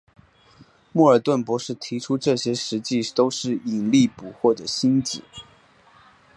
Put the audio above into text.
莫尔顿博士提出这些实际都是引力捕获的星子。